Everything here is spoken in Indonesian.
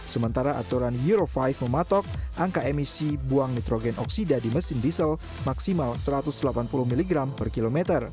sementara aturan euro lima mematok angka emisi buang nitrogen oksida di mesin diesel maksimal satu ratus delapan puluh mg per km